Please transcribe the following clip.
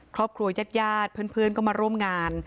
ครอบครัวยญาติญาติเพื่อนก็มาร่วมงาน